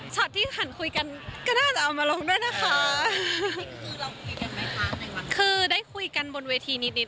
ช็อตที่ขันคุยกันก็น่าจะเอามาลงด้วยนะคะคือได้คุยกันบนเวทีนิดนิด